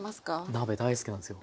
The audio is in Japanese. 鍋大好きなんですよ。